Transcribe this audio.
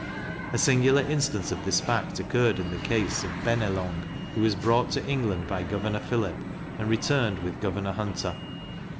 A singular instance of this fact occurred in the case of Be ne long, who was brought to England by Governor Phillip, and returned with Governor Hunter.